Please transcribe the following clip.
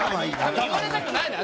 言われたくないのよ。